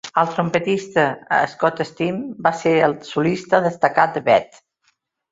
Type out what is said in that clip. El trompetista Scott Steen va ser el solista destacat de Bette.